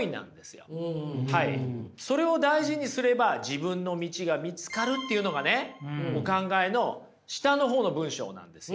それを大事にすれば自分の道が見つかるっていうのがねお考えの下のほうの文章なんですよ。